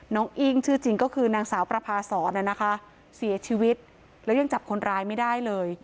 อิ้งชื่อจริงก็คือนางสาวประพาสอนนะคะเสียชีวิตแล้วยังจับคนร้ายไม่ได้เลย